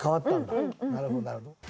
なるほどなるほど。